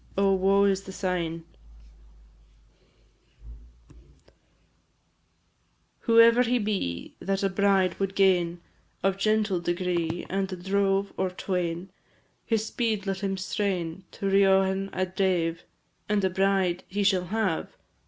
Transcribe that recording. O, woe is the sign, &c. Whoever he be That a bride would gain Of gentle degree, And a drove or twain, His speed let him strain To Riothan a dave, And a bride he shall have.